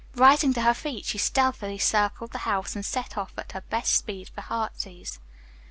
Rising to her feet, she stealthily circled the house and set off at her best speed for "Heartsease."